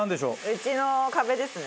うちの壁ですね。